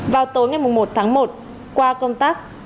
vào tối ngày một tháng một qua công tác